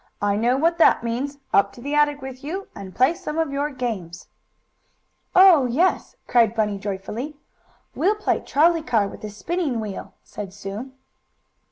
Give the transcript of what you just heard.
"I know what that means. Up to the attic with you, and play some of your games!" "Oh yes!" cried Bunny joyfully. "We'll play trolley car with the spinning wheel!" said Sue.